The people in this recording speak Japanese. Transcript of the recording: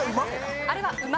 あれは馬？